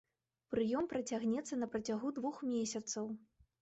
Прыём працягнецца на працягу двух месяцаў.